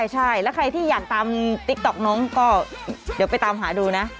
ใช่แล้วใครที่อยากตามติ๊กต๊อกน้องก็เดี๋ยวไปตามหาดูนะ